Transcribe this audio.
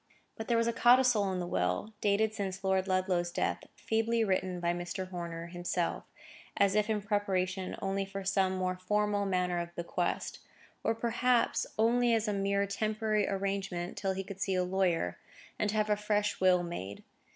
But there was a codicil in the will, dated since Lord Ludlow's death—feebly written by Mr. Horner himself, as if in preparation only for some more formal manner of bequest: or, perhaps, only as a mere temporary arrangement till he could see a lawyer, and have a fresh will made.